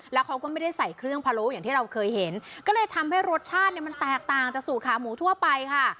แล้วเขาก็ไม่ได้ใส่เครื่องพะโล้อย่างที่เราเคยเห็นก็เลยทำให้รสชาติเนี่ยมันแตกต่างจากสูตรขาหมูทั่วไปค่ะ